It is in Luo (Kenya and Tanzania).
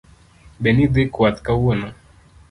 Be nidhi kwath kawuono?